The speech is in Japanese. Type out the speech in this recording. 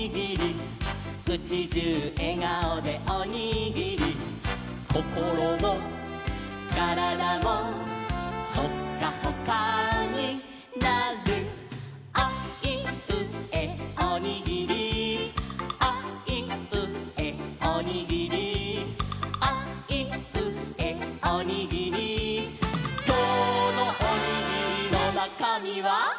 「うちじゅうえがおでおにぎり」「こころもからだも」「ホッカホカになる」「あいうえおにぎり」「あいうえおにぎり」「あいうえおにぎり」「きょうのおにぎりのなかみは？」